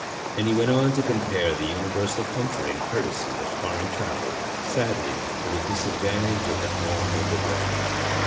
And he went on to compare the universal comfort and courtesy of foreign travel, sadly to the disadvantage of the home of the brave.